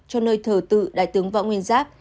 cho nơi thờ tự đại tướng võ nguyên giáp